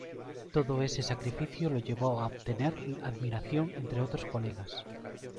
Todo ese sacrificio lo llevó a obtener admiración entre otros colegas.